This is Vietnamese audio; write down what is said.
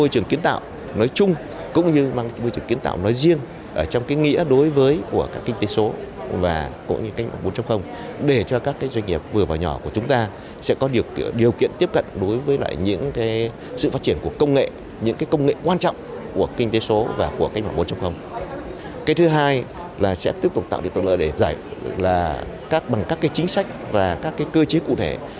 cái thứ hai là sẽ tiếp tục tạo được thuận lợi để giải bằng các chính sách và các cơ chế cụ thể